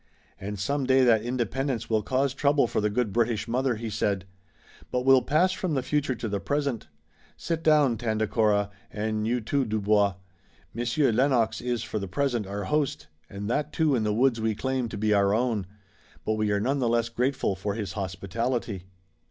"And some day that independence will cause trouble for the good British mother," he said, "but we'll pass from the future to the present. Sit down, Tandakora, and you too, Dubois. Monsieur Lennox is, for the present, our host, and that too in the woods we claim to be our own. But we are none the less grateful for his hospitality."